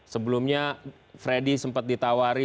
sebelumnya freddy sempat ditawari